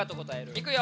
いくよ。